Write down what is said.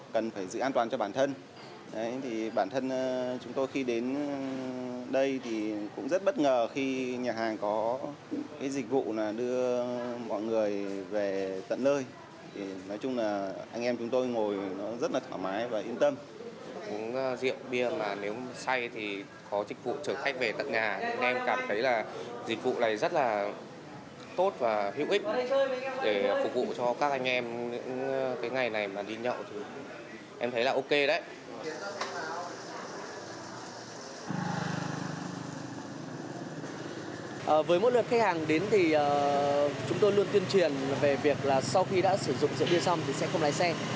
với khách hàng đến chúng tôi luôn tuyên truyền về việc là sau khi đã sử dụng rượu bia xong thì sẽ không lái xe